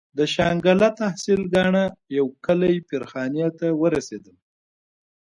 د شانګله تحصيل کاڼه يو کلي پير خاني ته ورسېدم.